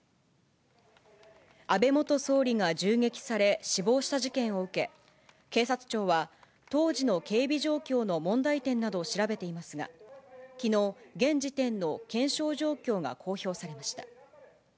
安倍元総理が銃撃され死亡した事件を受け、警察庁は、当時の警備状況の問題点などを調べていますが、きのう、現時点の検証状況が公表されました。